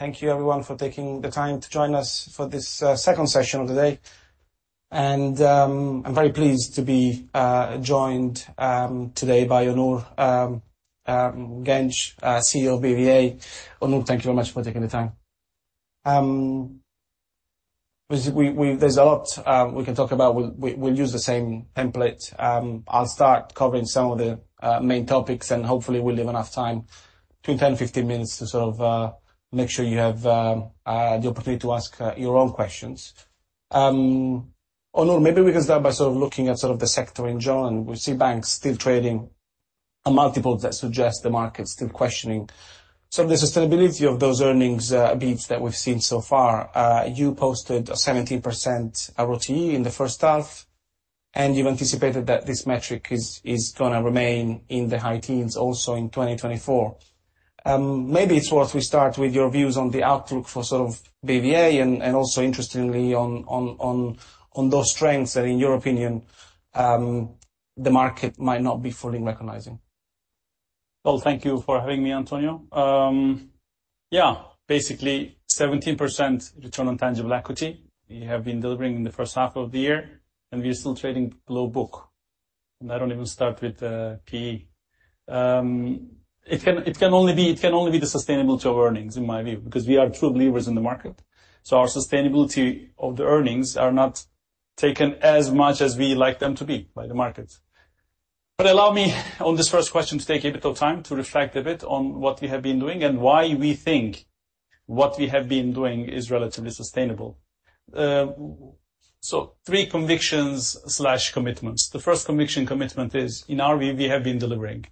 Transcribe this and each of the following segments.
Thank you everyone for taking the time to join us for this, second session of the day. I'm very pleased to be joined today by Onur Genç, CEO of BBVA. Onur, thank you very much for taking the time. There's a lot we can talk about. We'll use the same template. I'll start covering some of the main topics, and hopefully we'll leave enough time, between 10, 15 minutes, to sort of make sure you have the opportunity to ask your own questions. Onur, maybe we can start by sort of looking at sort of the sector in general. We see banks still trading on multiples that suggest the market's still questioning. So the sustainability of those earnings beats that we've seen so far, you posted a 17% ROTE in the first half, and you've anticipated that this metric is gonna remain in the high teens also in 2024. Maybe it's worth we start with your views on the outlook for sort of BBVA and also interestingly, on those strengths that, in your opinion, the market might not be fully recognizing. Well, thank you for having me, Antonio. Yeah, basically 17% return on tangible equity. We have been delivering in the first half of the year, and we are still trading below book. I don't even start with PE. It can only be the sustainability of earnings, in my view, because we are true believers in the market. Our sustainability of the earnings are not taken as much as we like them to be by the market. Allow me, on this first question, to take a bit of time to reflect a bit on what we have been doing and why we think what we have been doing is relatively sustainable. So three convictions slash commitments. The first conviction commitment is, in our view, we have been delivering.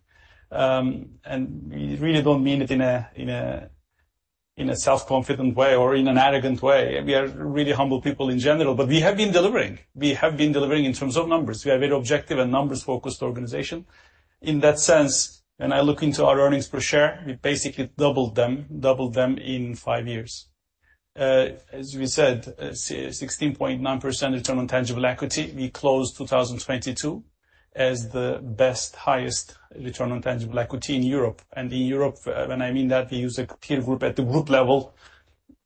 And we really don't mean it in a self-confident way or in an arrogant way. We are really humble people in general, but we have been delivering. We have been delivering in terms of numbers. We are a very objective and numbers-focused organization. In that sense, when I look into our earnings per share, we basically doubled them, doubled them in five years. As we said, 16.9% return on tangible equity. We closed 2022 as the best, highest return on tangible equity in Europe. And in Europe, when I mean that, we use a peer group at the group level,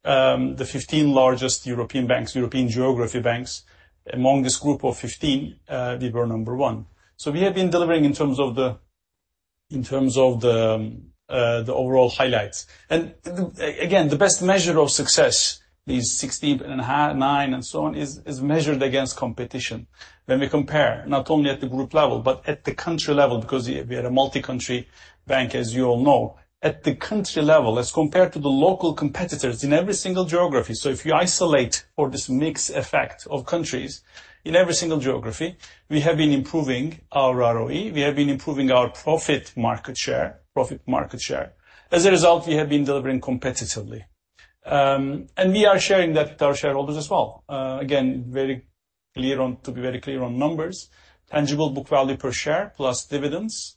the 15 largest European banks, European geography banks. Among this group of 15, we were number one. So we have been delivering in terms of the overall highlights. Again, the best measure of success, these 16.5, 9, and so on, is measured against competition. When we compare, not only at the group level, but at the country level, because we are a multi-country bank, as you all know. At the country level, as compared to the local competitors in every single geography, so if you isolate for this mix effect of countries, in every single geography, we have been improving our ROE. We have been improving our profit market share, profit market share. As a result, we have been delivering competitively. And we are sharing that with our shareholders as well. Again, very clear on. To be very clear on numbers, Tangible Book Value Per Share, plus dividends.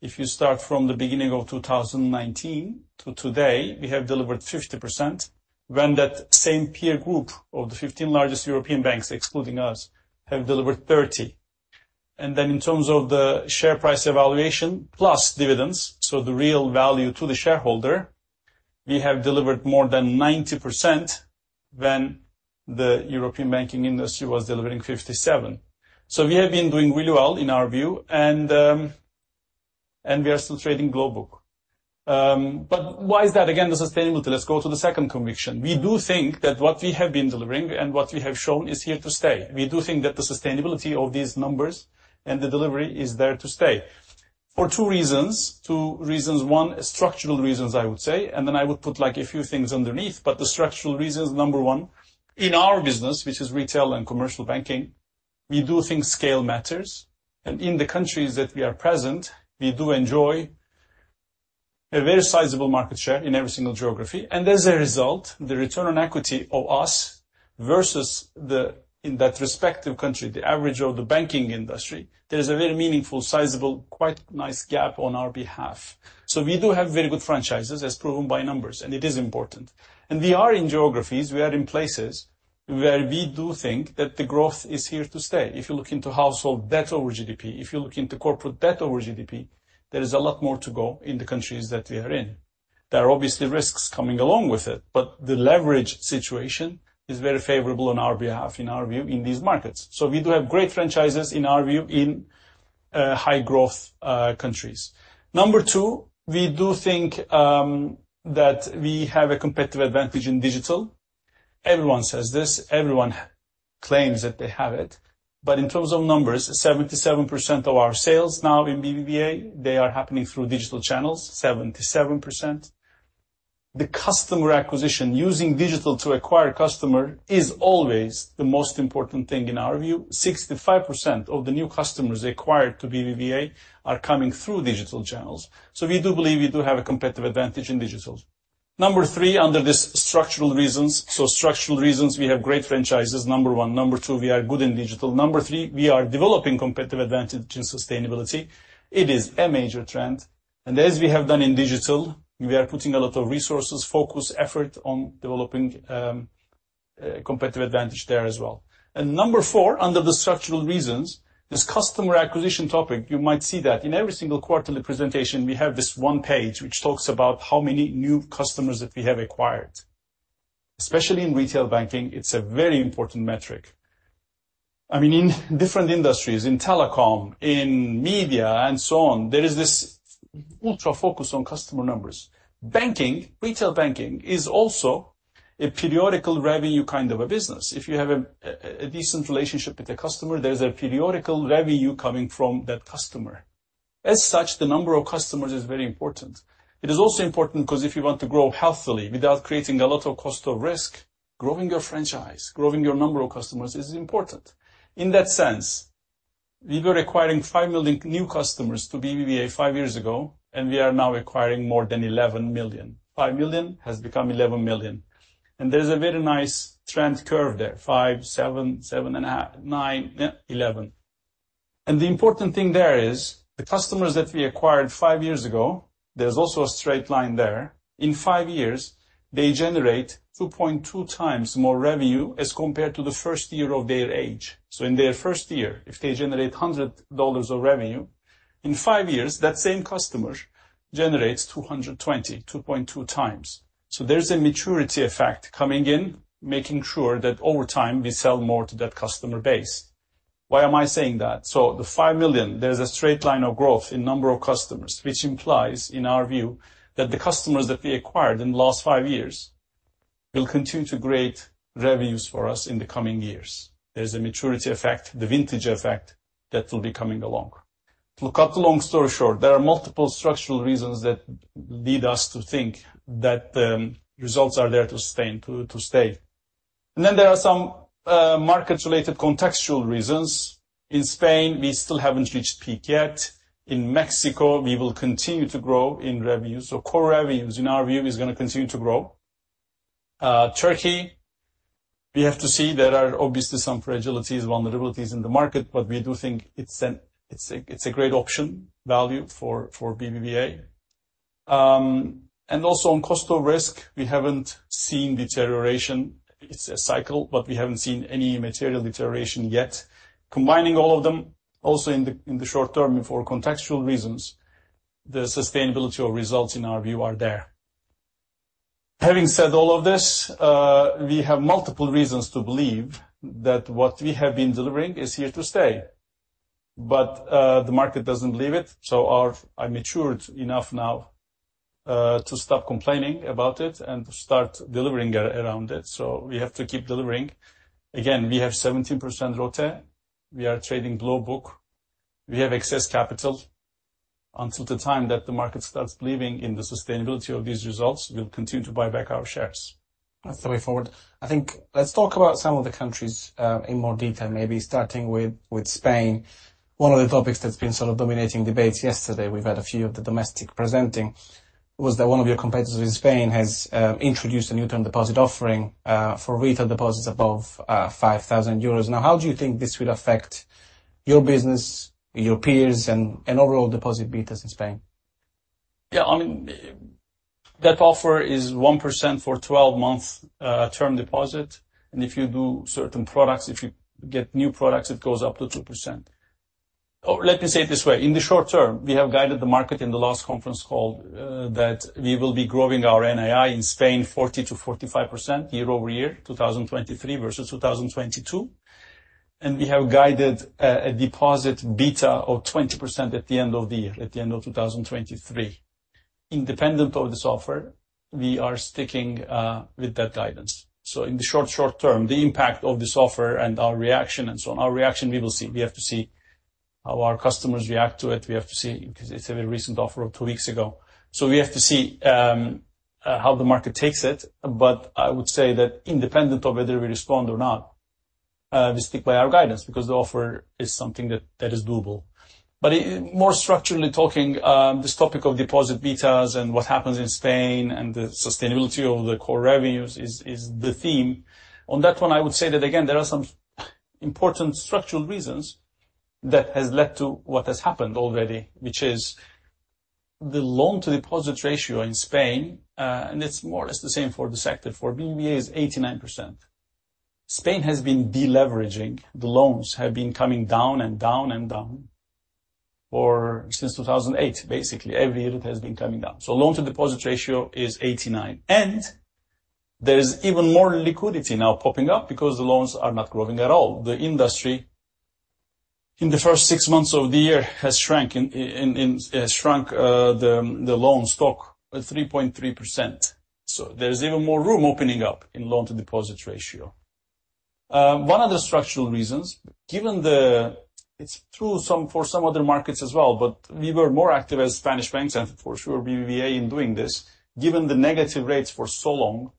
If you start from the beginning of 2019 to today, we have delivered 50%, when that same peer group of the 15 largest European banks, excluding us, have delivered 30. And then in terms of the share price evaluation plus dividends, so the real value to the shareholder, we have delivered more than 90% when the European banking industry was delivering 57. So we have been doing really well in our view, and we are still trading global. But why is that? Again, the sustainability. Let's go to the second conviction. We do think that what we have been delivering and what we have shown is here to stay. We do think that the sustainability of these numbers and the delivery is there to stay. For two reasons, two reasons. One, structural reasons, I would say, and then I would put like a few things underneath, but the structural reasons, number one, in our business, which is retail and commercial banking, we do think scale matters, and in the countries that we are present, we do enjoy a very sizable market share in every single geography. And as a result, the return on equity of us versus the, in that respective country, the average of the banking industry, there is a very meaningful, sizable, quite nice gap on our behalf. So we do have very good franchises, as proven by numbers, and it is important. And we are in geographies, we are in places where we do think that the growth is here to stay. If you look into household debt over GDP, if you look into corporate debt over GDP, there is a lot more to go in the countries that we are in. There are obviously risks coming along with it, but the leverage situation is very favorable on our behalf, in our view, in these markets. So we do have great franchises, in our view, in high-growth countries. Number two, we do think that we have a competitive advantage in digital. Everyone says this. Everyone claims that they have it. But in terms of numbers, 77% of our sales now in BBVA, they are happening through digital channels. 77%. The customer acquisition, using digital to acquire customer, is always the most important thing in our view. 65% of the new customers acquired to BBVA are coming through digital channels. So we do believe we do have a competitive advantage in digital. Number three, under this structural reasons, so structural reasons, we have great franchises, number one. Number two, we are good in digital. Number three, we are developing competitive advantage in sustainability. It is a major trend, and as we have done in digital, we are putting a lot of resources, focus, effort on developing a competitive advantage there as well. And number four, under the structural reasons, this customer acquisition topic, you might see that in every single quarterly presentation, we have this one page, which talks about how many new customers that we have acquired. Especially in retail banking, it's a very important metric. I mean, in different industries, in telecom, in media, and so on, there is this ultra focus on customer numbers. Banking, retail banking is also a periodical revenue kind of a business. If you have a decent relationship with the customer, there's a periodical revenue coming from that customer. As such, the number of customers is very important. It is also important 'cause if you want to grow healthily without creating a lot of cost or risk, growing your franchise, growing your number of customers is important. In that sense, we were acquiring 5 million new customers to BBVA five years ago, and we are now acquiring more than 11 million. 5 million has become 11 million, and there's a very nice trend curve there. 5, 7, 7.5, 9, yeah, 11. And the important thing there is, the customers that we acquired five years ago, there's also a straight line there. In five years, they generate 2.2 times more revenue as compared to the first year of their age. In their first year, if they generate $100 of revenue, in five years, that same customer generates $220, 2.2 times. There's a maturity effect coming in, making sure that over time we sell more to that customer base. Why am I saying that? The 5 million, there's a straight line of growth in number of customers, which implies, in our view, that the customers that we acquired in the last five years will continue to create revenues for us in the coming years. There's a maturity effect, the vintage effect, that will be coming along. To cut the long story short, there are multiple structural reasons that lead us to think that results are there to stay. Then there are some market-related contextual reasons. In Spain, we still haven't reached peak yet. In Mexico, we will continue to grow in revenues, so core revenues, in our view, is gonna continue to grow. Turkey, we have to see. There are obviously some fragilities, vulnerabilities in the market, but we do think it's a great option value for BBVA. And also on cost of Risk, we haven't seen deterioration. It's a cycle, but we haven't seen any material deterioration yet. Combining all of them, also in the short term and for contextual reasons, the sustainability of results, in our view, are there. Having said all of this, we have multiple reasons to believe that what we have been delivering is here to stay, but the market doesn't believe it. So I'm matured enough now to stop complaining about it and start delivering around it, so we have to keep delivering. Again, we have 17% ROTE. We are trading global book. We have excess capital. Until the time that the market starts believing in the sustainability of these results, we'll continue to buy back our shares. That's the way forward. I think, let's talk about some of the countries in more detail, maybe starting with Spain. One of the topics that's been sort of dominating debates yesterday, we've had a few of the domestic presenting, was that one of your competitors in Spain has introduced a new term deposit offering for retail deposits above 5,000 euros. Now, how do you think this will affect your business, your peers, and overall deposit betas in Spain? Yeah, I mean, that offer is 1% for 12-month term deposit, and if you do certain products, if you get new products, it goes up to 2%. Oh, let me say it this way. In the short term, we have guided the market in the last conference call that we will be growing our NII in Spain 40%-45% year over year, 2023 versus 2022, and we have guided a deposit beta of 20% at the end of the year, at the end of 2023. Independent of this offer, we are sticking with that guidance. So in the short term, the impact of this offer and our reaction and so on, our reaction, we will see. We have to see how our customers react to it. We have to see, because it's a very recent offer of two weeks ago. We have to see how the market takes it. I would say that independent of whether we respond or not, we stick by our guidance, because the offer is something that is doable. More structurally talking, this topic of deposit betas and what happens in Spain and the sustainability of the core revenues is the theme. On that one, I would say that again, there are some important structural reasons that has led to what has happened already, which is the loan-to-deposit ratio in Spain, and it's more or less the same for the sector, for BBVA is 89%. Spain has been deleveraging. The loans have been coming down and down and down for... Since 2008, basically, every year it has been coming down. So loan-to-deposit ratio is 89, and there is even more liquidity now popping up because the loans are not growing at all. The industry, in the first six months of the year, has shrunk the loan stock at 3.3%. So there's even more room opening up in loan-to-deposit ratio. One of the structural reasons, given the... It's true, for some other markets as well, but we were more active as Spanish banks and for sure BBVA in doing this. Given the negative rates for so long,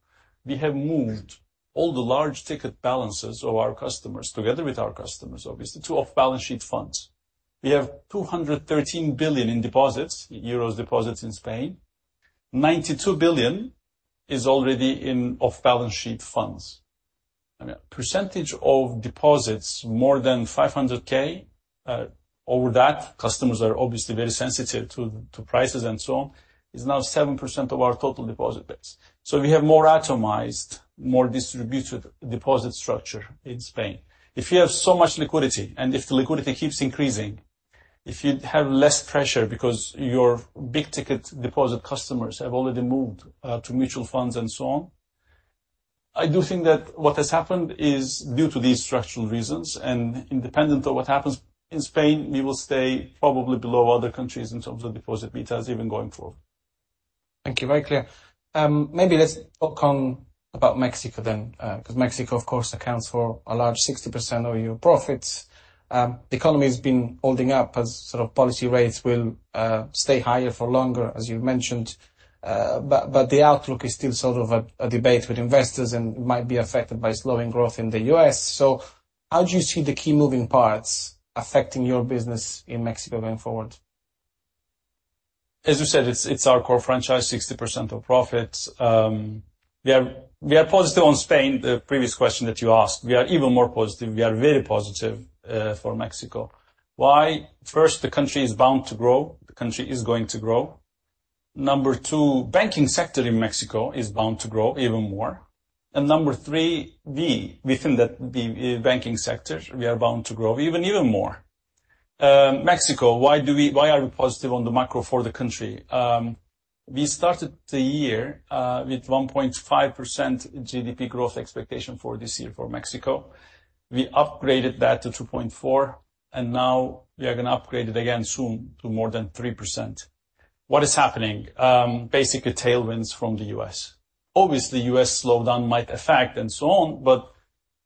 we have moved all the large ticket balances of our customers, together with our customers, obviously, to off-balance-sheet funds. We have 213 billion in euro deposits in Spain. 92 billion is already in off-balance-sheet funds. I mean, percentage of deposits, more than 500,000?... over that, customers are obviously very sensitive to, to prices and so on, is now 7% of our total deposit base. So we have more itemized, more distributed deposit structure in Spain. If you have so much liquidity, and if the liquidity keeps increasing, if you have less pressure because your big-ticket deposit customers have already moved, to mutual funds and so on, I do think that what has happened is due to these structural reasons, and independent of what happens in Spain, we will stay probably below other countries in terms of deposit betas even going forward. Thank you. Very clear. Maybe let's talk on about Mexico then, 'cause Mexico, of course, accounts for a large 60% of your profits. The economy has been holding up as sort of policy rates will stay higher for longer, as you mentioned. But the outlook is still sort of a debate with investors and might be affected by slowing growth in the US. So how do you see the key moving parts affecting your business in Mexico going forward? As you said, it's our core franchise, 60% of profits. We are positive on Spain, the previous question that you asked. We are even more positive. We are very positive for Mexico. Why? First, the country is bound to grow. The country is going to grow. Number two, banking sector in Mexico is bound to grow even more. And number three, we, within the banking sector, we are bound to grow even more. Mexico, why are we positive on the macro for the country? We started the year with 1.5% GDP growth expectation for this year for Mexico. We upgraded that to 2.4, and now we are going to upgrade it again soon to more than 3%. What is happening? Basically, tailwinds from the US. Obviously, U.S. slowdown might affect and so on, but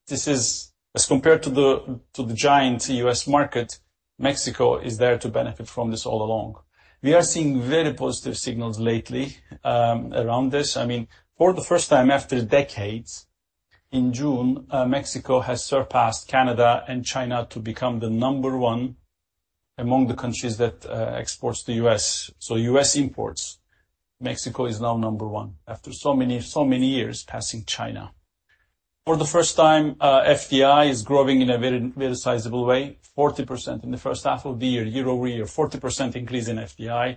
this is... as compared to the, to the giant U.S. market, Mexico is there to benefit from this all along. We are seeing very positive signals lately, I mean, for the first time after decades, in June, Mexico has surpassed Canada and China to become the number one among the countries that exports to the U.S. U.S. imports, Mexico is now number one, after so many, so many years, passing China. For the first time, FDI is growing in a very, very sizable way, 40% in the first half of the year, year-over-year, 40% increase in FDI.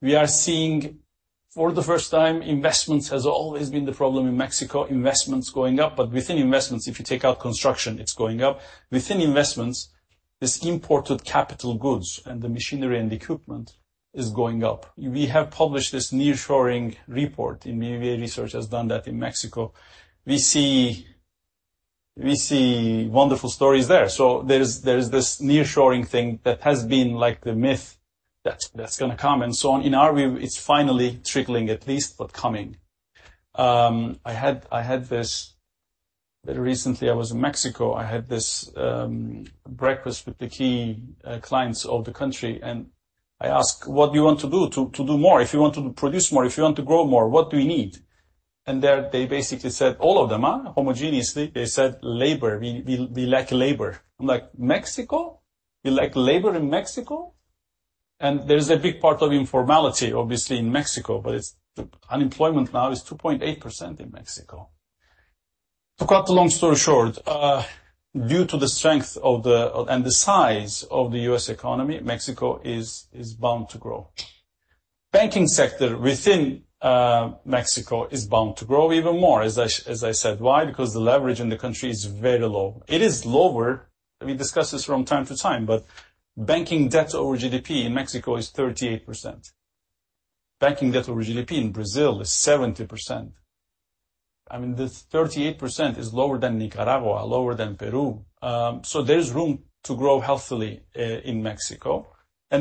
We are seeing, for the first time, investments has always been the problem in Mexico, investments going up, but within investments, if you take out construction, it's going up. Within investments, this imported capital goods and the machinery and equipment is going up. We have published this nearshoring report, and our research has done that in Mexico. We see, we see wonderful stories there. There is, there is this nearshoring thing that has been like the myth that's, that's going to come and so on. In our view, it's finally trickling, at least, but coming. I had, I had this... Very recently, I was in Mexico. I had this breakfast with the key clients of the country, and I asked, "What do you want to do to, to do more? If you want to produce more, if you want to grow more, what do you need?" And there, they basically said, all of them, huh, homogeneously, they said, "Labor. We, we, we lack labor." I'm like, "Mexico? You lack labor in Mexico?" And there is a big part of informality, obviously, in Mexico, but it's unemployment now is 2.8% in Mexico. To cut a long story short, due to the strength of the, and the size of the U.S. economy, Mexico is bound to grow. Banking sector within Mexico is bound to grow even more, as I said. Why? Because the leverage in the country is very low. It is lower, and we discuss this from time to time, but banking debt over GDP in Mexico is 38%. Banking debt over GDP in Brazil is 70%. I mean, this 38% is lower than Nicaragua, lower than Peru. So there is room to grow healthily in Mexico.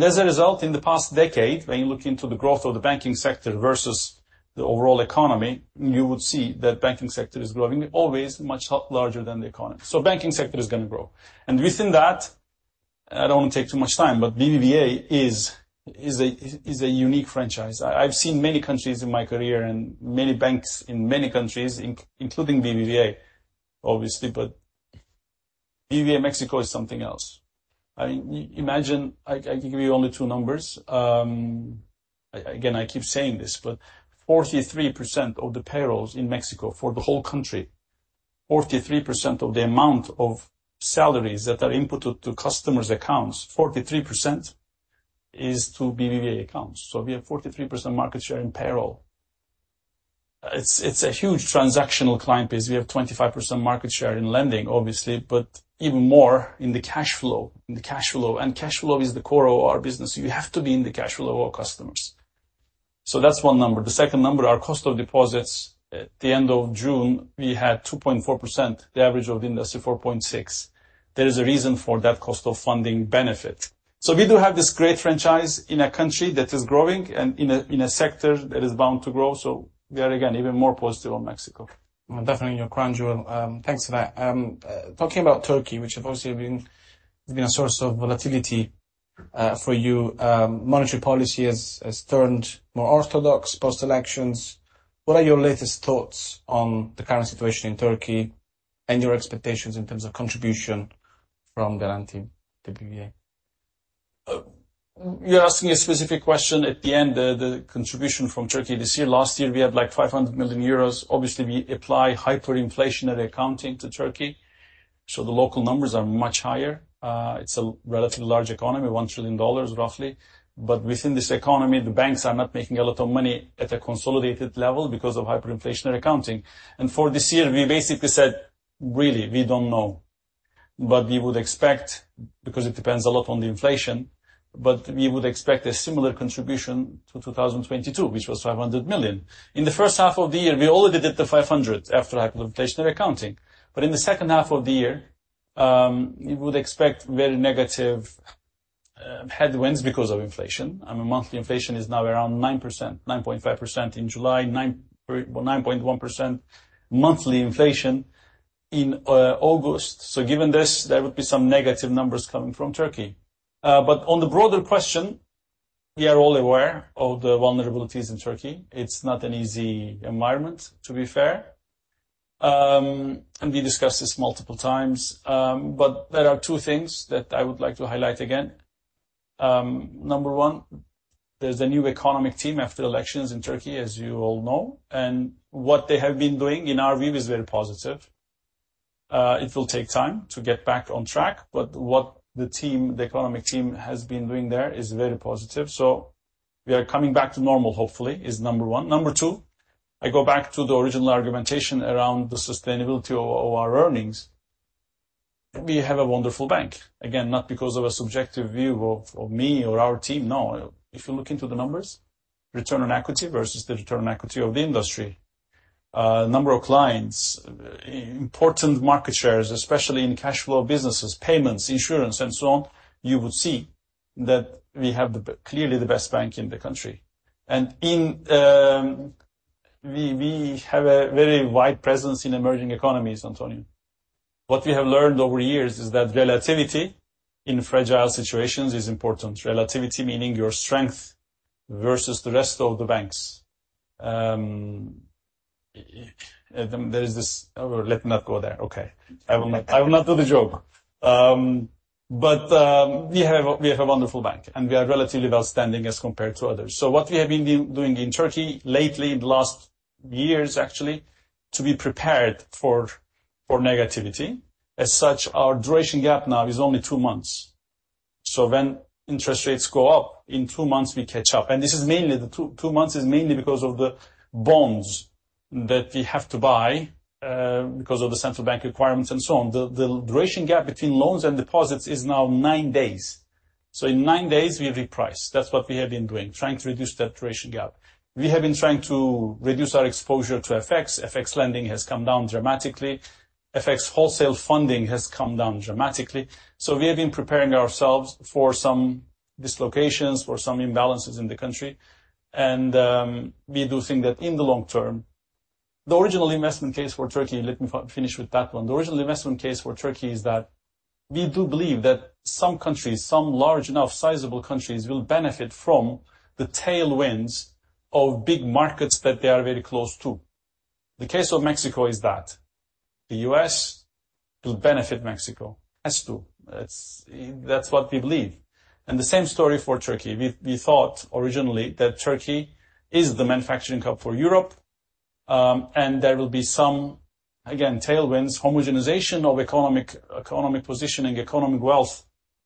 As a result, in the past decade, when you look into the growth of the banking sector versus the overall economy, you would see that banking sector is growing always much larger than the economy. So banking sector is gonna grow. Within that, I don't want to take too much time, but BBVA is a unique franchise. I've seen many countries in my career and many banks in many countries, including BBVA, obviously, but BBVA Mexico is something else. I mean, imagine, I can give you only two numbers. Again, I keep saying this, but 43% of the payrolls in Mexico for the whole country, 43% of the amount of salaries that are inputted to customers' accounts, 43% is to BBVA accounts. So we have 43% market share in payroll. It's, it's a huge transactional client base. We have 25% market share in lending, obviously, but even more in the cash flow. In the cash flow, and cash flow is the core of our business. You have to be in the cash flow of our customers. So that's one number. The second number, our cost of deposits. At the end of June, we had 2.4%, the average of industry, 4.6%. There is a reason for that cost of funding benefit. So we do have this great franchise in a country that is growing and in a, in a sector that is bound to grow. So we are, again, even more positive on Mexico. Well, definitely your crown jewel. Thanks for that. Talking about Turkey, which obviously has been a source of volatility for you, monetary policy has turned more orthodox post-elections. What are your latest thoughts on the current situation in Turkey and your expectations in terms of contribution from Garanti BBVA?... You're asking a specific question at the end, the contribution from Turkey this year. Last year, we had, like, 500 million euros. Obviously, we apply hyperinflationary accounting to Turkey, so the local numbers are much higher. It's a relatively large economy, $1 trillion, roughly. But within this economy, the banks are not making a lot of money at a consolidated level because of hyperinflationary accounting. And for this year, we basically said, "Really, we don't know." But we would expect, because it depends a lot on the inflation, but we would expect a similar contribution to 2022, which was 500 million. In the first half of the year, we already did the 500 million after hyperinflationary accounting. But in the second half of the year, we would expect very negative headwinds because of inflation. I mean, monthly inflation is now around 9%, 9.5% in July, 9.1% monthly inflation in August. Given this, there would be some negative numbers coming from Turkey. On the broader question, we are all aware of the vulnerabilities in Turkey. It's not an easy environment, to be fair, and we discussed this multiple times. There are two things that I would like to highlight again. Number one, there's a new economic team after elections in Turkey, as you all know, and what they have been doing, in our view, is very positive. It will take time to get back on track, but what the team, the economic team, has been doing there is very positive. We are coming back to normal, hopefully, is number one. Number two, I go back to the original argumentation around the sustainability of our earnings. We have a wonderful bank. Again, not because of a subjective view of me or our team. No. If you look into the numbers, return on equity versus the return on equity of the industry, number of clients, important market shares, especially in cash flow businesses, payments, insurance, and so on, you would see that we have clearly the best bank in the country. We have a very wide presence in emerging economies, Antonio. What we have learned over years is that relativity in fragile situations is important. Relativity, meaning your strength versus the rest of the banks. There is this... Let not go there. Okay. I will not, I will not do the joke. But we have a wonderful bank, and we are relatively well-standing as compared to others. So what we have been doing in Turkey lately, in the last years, actually, to be prepared for negativity, as such, our duration gap now is only two months. So when interest rates go up, in two months, we catch up. And this is mainly, the two months is mainly because of the bonds that we have to buy because of the central bank requirements and so on. The duration gap between loans and deposits is now nine days. So in nine days, we reprice. That's what we have been doing, trying to reduce that duration gap. We have been trying to reduce our exposure to FX. FX lending has come down dramatically. FX wholesale funding has come down dramatically. So we have been preparing ourselves for some dislocations, for some imbalances in the country, and we do think that in the long term, the original investment case for Turkey, let me finish with that one. The original investment case for Turkey is that we do believe that some countries, some large enough sizable countries, will benefit from the tailwinds of big markets that they are very close to. The case of Mexico is that the US will benefit Mexico. Has to. It's, that's what we believe. And the same story for Turkey. We, we thought originally that Turkey is the manufacturing hub for Europe, and there will be some, again, tailwinds, homogenization of economic, economic positioning, economic wealth,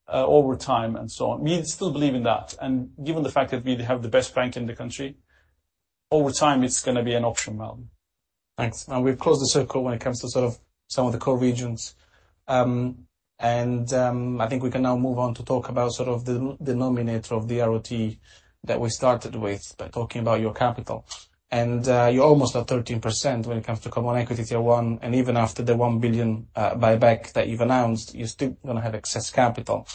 over time and so on. We still believe in that, and given the fact that we have the best bank in the country, over time, it's gonna be an option mountain. Thanks. We've closed the circle when it comes to sort of some of the core regions. I think we can now move on to talk about sort of the denominator of the ROT that we started with by talking about your capital. You're almost at 13% when it comes to common equity, tier one, and even after the 1 billion buyback that you've announced, you're still gonna have excess capital,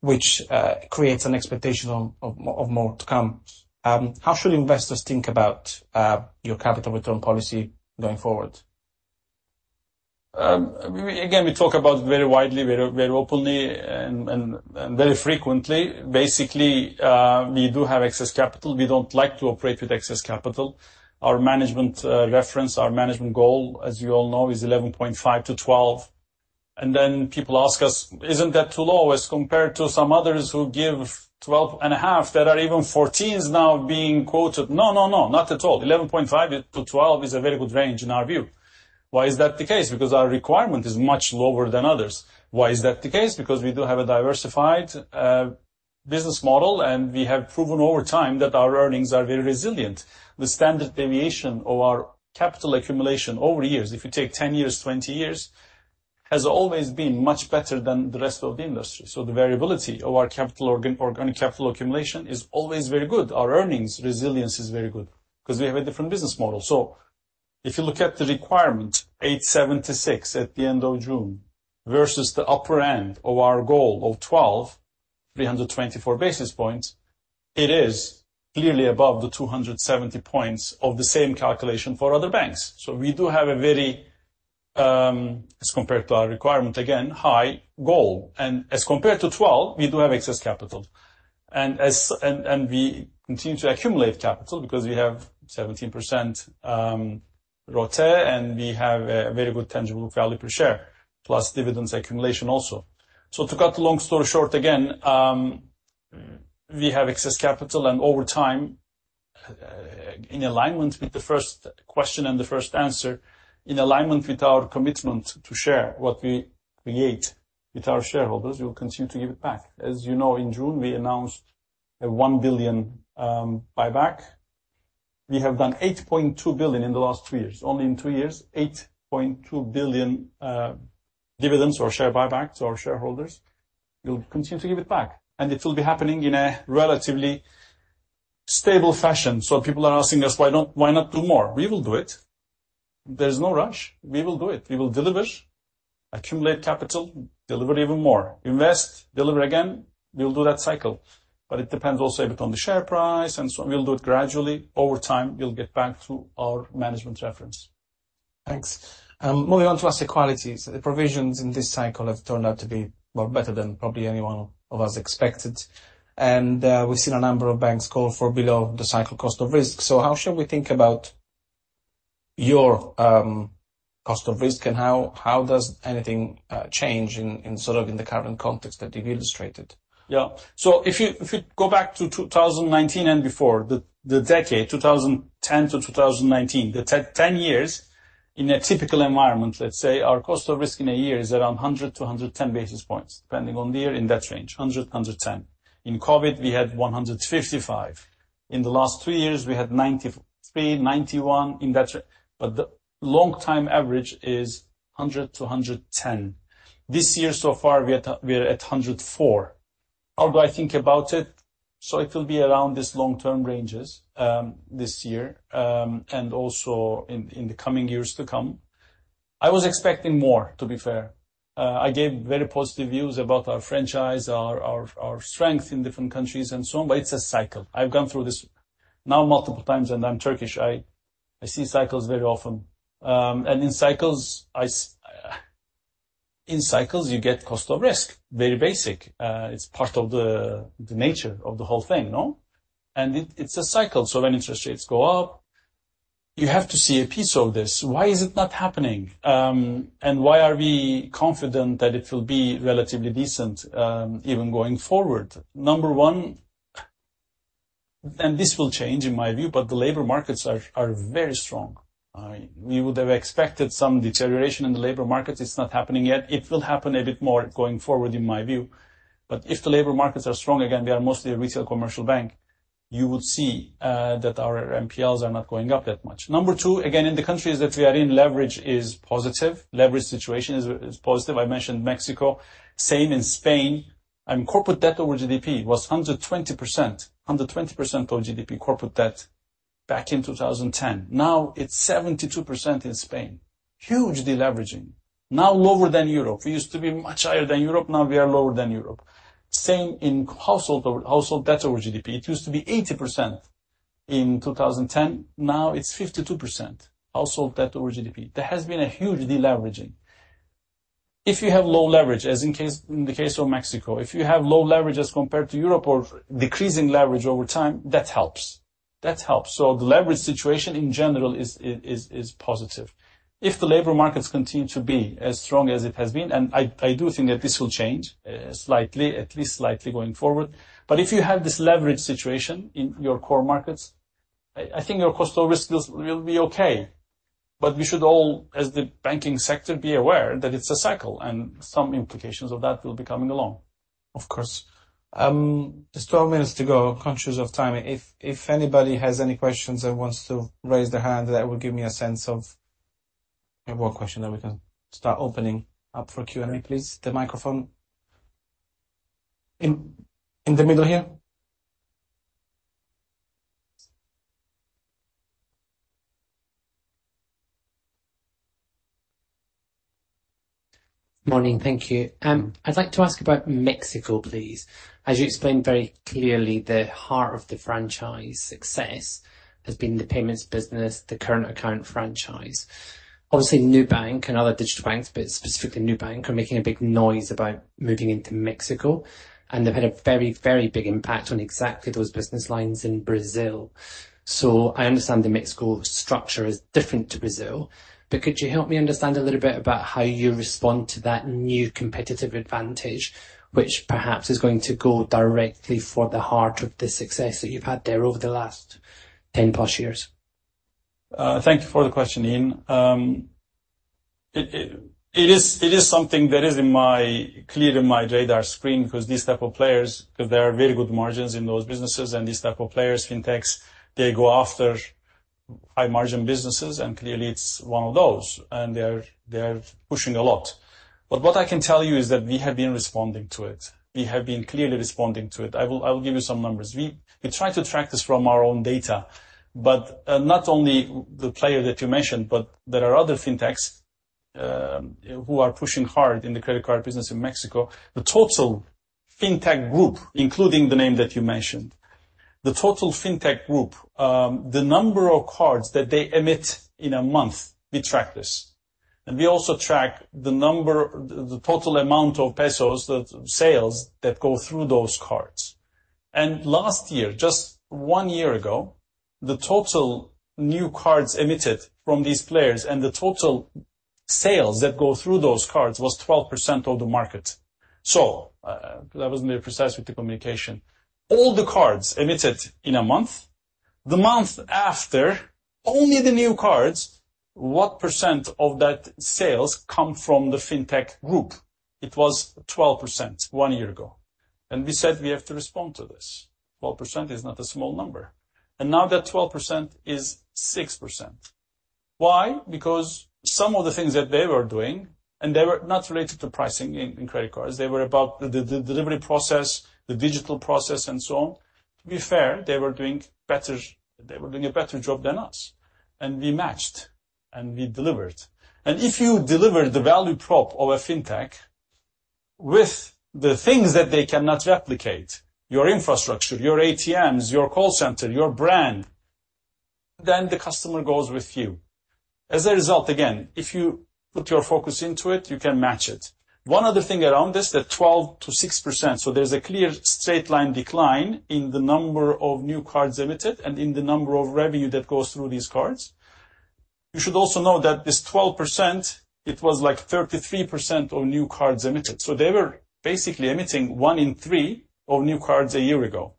which creates an expectation of more to come. How should investors think about your capital return policy going forward? Again, we talk about very widely, very, very openly, and very frequently. Basically, we do have excess capital. We don't like to operate with excess capital. Our management reference, our management goal, as you all know, is 11.5-12. And then people ask us: "Isn't that too low as compared to some others who give 12.5?" There are even 14s now being quoted. No, no, no, not at all. 11.5-12 is a very good range in our view. Why is that the case? Because our requirement is much lower than others. Why is that the case? Because we do have a diversified business model, and we have proven over time that our earnings are very resilient. The standard deviation of our capital accumulation over years, if you take 10 years, 20 years, has always been much better than the rest of the industry. The variability of our organic capital accumulation is always very good. Our earnings resilience is very good because we have a different business model. If you look at the requirement, 8.7 to 6 at the end of June, versus the upper end of our goal of 12, 324 basis points, it is clearly above the 270 basis points of the same calculation for other banks. We do have a very, as compared to our requirement, again, high goal. As compared to 12, we do have excess capital, and we continue to accumulate capital because we have 17%,... ROTE, and we have a very good tangible value per share, plus dividends accumulation also. So to cut a long story short again, we have excess capital, and over time, in alignment with the first question and the first answer, in alignment with our commitment to share what we create with our shareholders, we will continue to give it back. As you know, in June, we announced a 1 billion buyback. We have done 8.2 billion in the last two years. Only in two years, 8.2 billion, dividends or share buybacks to our shareholders. We'll continue to give it back, and it will be happening in a relatively stable fashion. So people are asking us, "Why don't... Why not do more?" We will do it. There's no rush. We will do it. We will deliver, accumulate capital, deliver even more, invest, deliver again. We'll do that cycle. But it depends also a bit on the share price, and so we'll do it gradually. Over time, we'll get back to our management reference. Thanks. Moving on to asset quality. So the provisions in this cycle have turned out to be, well, better than probably any one of us expected. We've seen a number of banks call for below the cycle cost of risk. So how should we think about your cost of risk, and how does anything change in sort of the current context that you've illustrated? Yeah. So if you go back to 2019 and before, the decade, 2010 to 2019, the ten years in a typical environment, let's say our cost of risk in a year is around 100 to 110 basis points, depending on the year, in that range, 100, 110. In COVID, we had 155. In the last two years, we had 93, 91, in that range. But the long time average is 100 to 110. This year, so far, we are at 104. How do I think about it? So it will be around this long-term ranges, this year, and also in the coming years to come. I was expecting more, to be fair. I gave very positive views about our franchise, our strength in different countries and so on, but it's a cycle. I've gone through this now multiple times, and I'm Turkish. I see cycles very often. And in cycles, you get Cost of Risk, very basic. It's part of the nature of the whole thing, no? And it's a cycle. So when interest rates go up, you have to see a piece of this. Why is it not happening? And why are we confident that it will be relatively decent, even going forward? Number one, and this will change in my view, but the labor markets are very strong. We would have expected some deterioration in the labor markets. It's not happening yet. It will happen a bit more going forward, in my view. But if the labor markets are strong, again, we are mostly a retail commercial bank, you will see, that our NPLs are not going up that much. Number two, again, in the countries that we are in, leverage is positive. Leverage situation is positive. I mentioned Mexico. Same in Spain, and corporate debt over GDP was 120%. 120% of GDP, corporate debt, back in 2010. Now it's 72% in Spain. Huge deleveraging, now lower than Europe. We used to be much higher than Europe, now we are lower than Europe. Same in household, household debt over GDP. It used to be 80% in 2010, now it's 52%, household debt over GDP. There has been a huge deleveraging. If you have low leverage, as in the case of Mexico, if you have low leverage as compared to Europe or decreasing leverage over time, that helps. That helps. So the leverage situation in general is positive. If the labor markets continue to be as strong as it has been, and I do think that this will change slightly, at least slightly going forward, but if you have this leverage situation in your core markets, I think your cost of risk will be okay. But we should all, as the banking sector, be aware that it's a cycle, and some implications of that will be coming along. Of course. Just 12 minutes to go. I'm conscious of time. If anybody has any questions and wants to raise their hand, that would give me a sense of... One question, then we can start opening up for Q&A, please. The microphone in the middle here. Morning. Thank you. I'd like to ask about Mexico, please. As you explained very clearly, the heart of the franchise success has been the payments business, the current account franchise. Obviously, New Bank and other digital banks, but specifically New Bank, are making a big noise about moving into Mexico, and they've had a very, very big impact on exactly those business lines in Brazil. So I understand the Mexico structure is different to Brazil, but could you help me understand a little bit about how you respond to that new competitive advantage, which perhaps is going to go directly for the heart of the success that you've had there over the last 10 plus years? Thank you for the question, Ian. It is something that is clear in my radar screen, because these type of players, because there are very good margins in those businesses, and these type of players, fintechs, they go after high-margin businesses, and clearly it's one of those, and they're pushing a lot. What I can tell you is that we have been responding to it. We have been clearly responding to it. I will give you some numbers. We try to track this from our own data, but not only the player that you mentioned, there are other fintechs who are pushing hard in the credit card business in Mexico. The total fintech group, including the name that you mentioned, the total fintech group, the number of cards that they emit in a month, we track this. We also track the number, the total amount of pesos, the sales that go through those cards. Last year, just one year ago, the total new cards emitted from these players and the total sales that go through those cards was 12% of the market. So, that wasn't very precise with the communication. All the cards emitted in a month, the month after, only the new cards, what percent of that sales come from the Fintech group? It was 12% one year ago, and we said we have to respond to this. 12% is not a small number, and now that 12% is 6%. Why? Because some of the things that they were doing, and they were not related to pricing in credit cards, they were about the delivery process, the digital process, and so on. To be fair, they were doing better, they were doing a better job than us, and we matched, and we delivered. And if you deliver the value prop of a Fintech with the things that they cannot replicate, your infrastructure, your ATMs, your call center, your brand, then the customer goes with you. As a result, again, if you put your focus into it, you can match it. One other thing around this, that 12%-6%, so there's a clear straight line decline in the number of new cards emitted and in the number of revenue that goes through these cards. You should also know that this 12%, it was like 33% of new cards emitted. So they were basically emitting one in three of new cards a year ago,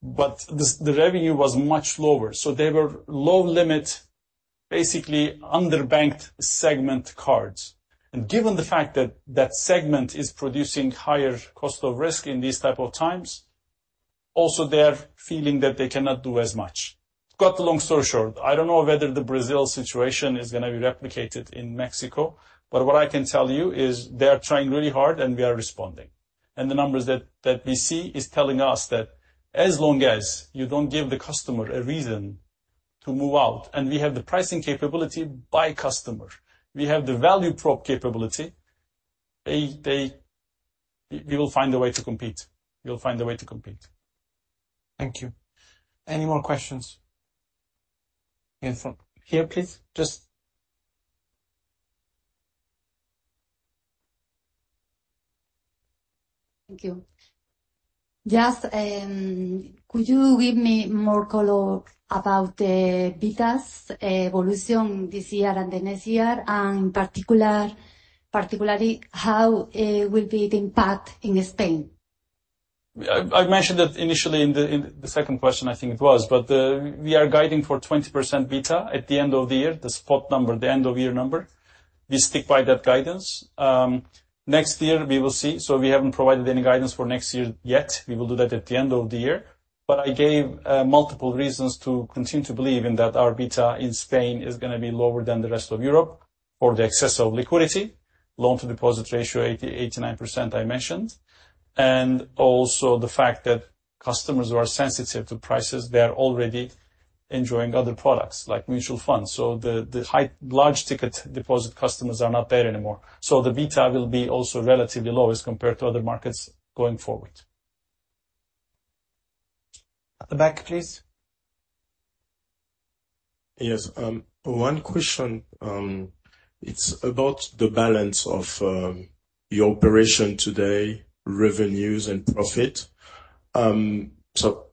but the revenue was much lower, so they were low limit, basically, underbanked segment cards. And given the fact that that segment is producing higher cost of risk in these type of times, also they are feeling that they cannot do as much. To cut the long story short, I don't know whether the Brazil situation is gonna be replicated in Mexico, but what I can tell you is they are trying really hard, and we are responding. And the numbers that we see is telling us that as long as you don't give the customer a reason to move out, and we have the pricing capability by customer, we have the value prop capability, they, they... We will find a way to compete. We'll find a way to compete. Thank you. Any more questions? In front... Here, please. Just- Thank you. Just, could you give me more color about the betas evolution this year and the next year, and particularly, how will be the impact in Spain? I mentioned that initially in the second question, I think it was, but we are guiding for 20% beta at the end of the year, the spot number, the end of year number. We stick by that guidance. Next year we will see. So we haven't provided any guidance for next year yet. We will do that at the end of the year. But I gave multiple reasons to continue to believe that our beta in Spain is gonna be lower than the rest of Europe for the excess of liquidity, loan-to-deposit ratio, 89%, I mentioned, and also the fact that customers who are sensitive to prices, they are already enjoying other products, like mutual funds. So the high large ticket deposit customers are not there anymore. The beta will be also relatively low as compared to other markets going forward. At the back, please. Yes, one question, it's about the balance of your operation today, revenues and profit. So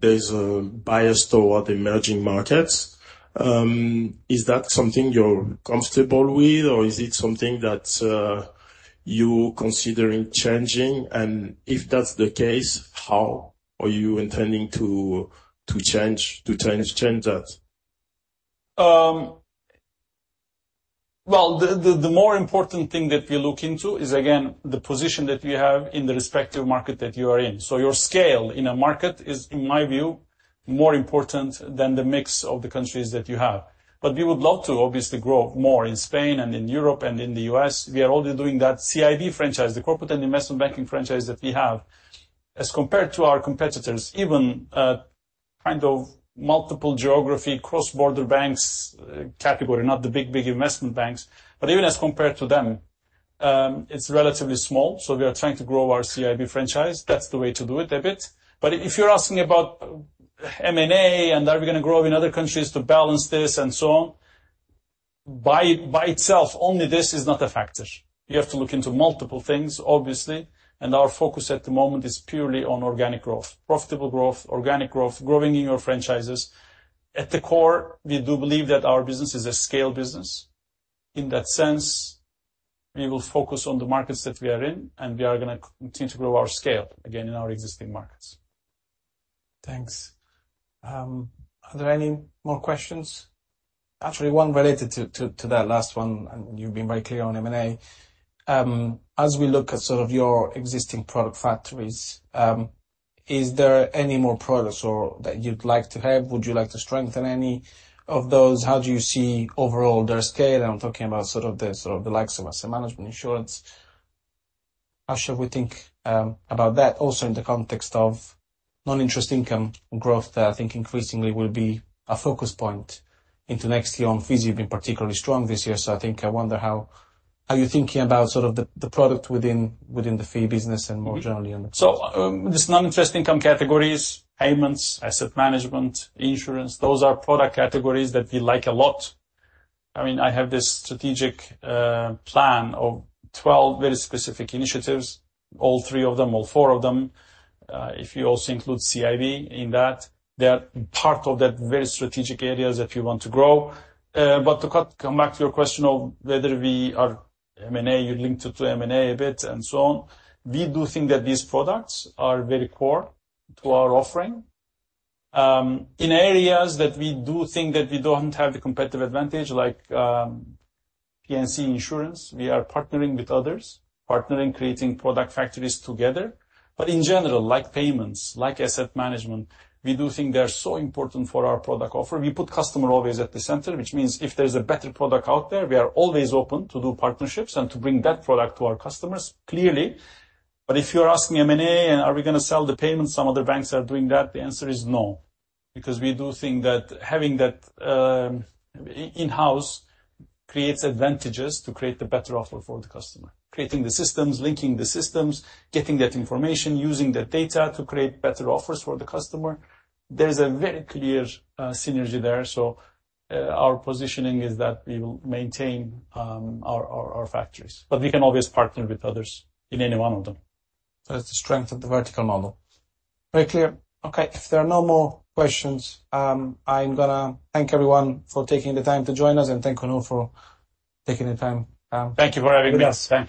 there's a bias toward emerging markets. Is that something you're comfortable with, or is it something that you considering changing? And if that's the case, how are you intending to change that? Well, the more important thing that we look into is, again, the position that you have in the respective market that you are in. So your scale in a market is, in my view, more important than the mix of the countries that you have. But we would love to obviously grow more in Spain and in Europe and in the US. We are already doing that CIB franchise, the corporate and investment banking franchise that we have, as compared to our competitors, even kind of multiple geography, cross-border banks category, not the big, big investment banks, but even as compared to them, it's relatively small, so we are trying to grow our CIB franchise. That's the way to do it a bit. But if you're asking about M&A, and are we gonna grow in other countries to balance this and so on, by, by itself, only this is not a factor. You have to look into multiple things, obviously, and our focus at the moment is purely on organic growth, profitable growth, organic growth, growing in your franchises. At the core, we do believe that our business is a scale business. In that sense, we will focus on the markets that we are in, and we are gonna continue to grow our scale, again, in our existing markets. Thanks. Are there any more questions? Actually, one related to that last one, and you've been very clear on M&A. As we look at sort of your existing product factories, is there any more products or that you'd like to have? Would you like to strengthen any of those? How do you see overall their scale? I'm talking about sort of the likes of asset management, insurance. How should we think about that also in the context of non-interest income growth, that I think increasingly will be a focus point into next year on fees? You've been particularly strong this year, so I think I wonder how are you thinking about sort of the product within the fee business and more generally on the- So, this non-interest income categories, payments, asset management, insurance, those are product categories that we like a lot. I mean, I have this strategic plan of 12 very specific initiatives, all three of them, all four of them, if you also include CIB in that, they are part of that very strategic areas that we want to grow. But to cut... Come back to your question of whether we are M&A, you linked it to M&A a bit and so on. We do think that these products are very core to our offering. In areas that we do think that we don't have the competitive advantage, like, P&C Insurance, we are partnering with others, partnering, creating product factories together. But in general, like payments, like asset management, we do think they are so important for our product offer. We put customer always at the center, which means if there's a better product out there, we are always open to do partnerships and to bring that product to our customers, clearly. But if you're asking M&A, and are we gonna sell the payments, some other banks are doing that, the answer is no. Because we do think that having that, in-house creates advantages to create a better offer for the customer. Creating the systems, linking the systems, getting that information, using that data to create better offers for the customer, there is a very clear, synergy there. So, our positioning is that we will maintain, our factories, but we can always partner with others in any one of them. That's the strength of the vertical model. Very clear. Okay, if there are no more questions, I'm gonna thank everyone for taking the time to join us and thank Onur for taking the time. Thank you for having me. Thanks.